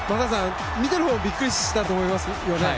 見てるほうビックリしたと思いますよね。